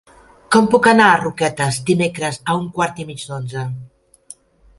Com puc anar a Roquetes dimecres a un quart i mig d'onze?